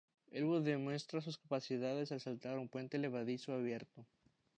Elwood demuestra sus capacidades al saltar un puente levadizo abierto.